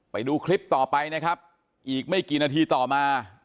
ไปดูคลิปต่อไปนะครับอีกไม่กี่นาทีต่อมา